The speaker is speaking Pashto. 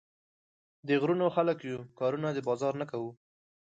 د غرونو خلک يو، کارونه د بازار نۀ کوو